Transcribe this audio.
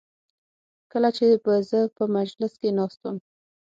کله چې به زه په مجلس کې ناست وم.